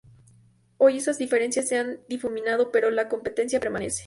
Hoy esas diferencias se han difuminado, pero la competencia permanece.